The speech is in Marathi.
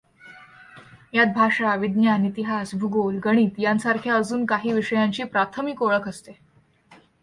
यात भाषा, विज्ञान, इतिहास, भूगोल, गणित, यासांरख्या अजून काही विषयांची प्राथमिक ओळख असते.